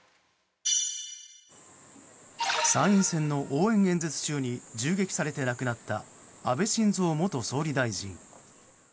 参院選の応援演説中に銃撃されて亡くなった安倍晋三元総理大臣。